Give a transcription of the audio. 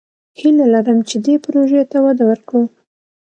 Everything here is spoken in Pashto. هیله لرم چې دې پروژې ته وده ورکړو.